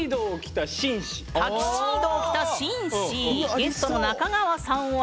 ゲストの中川さんは？